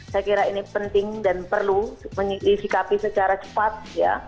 saya kira ini penting dan perlu disikapi secara cepat ya